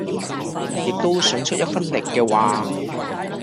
而亦都想出一分力嘅話